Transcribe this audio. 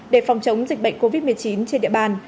để phòng chống dịch bệnh covid một mươi chín trên địa bàn